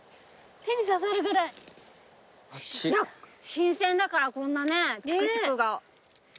新鮮だからこんなねちくちくが。